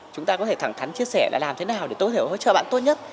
chúng ta có thể thẳng thắn chia sẻ là làm thế nào để tốt hiểu hỗ trợ bạn tốt nhất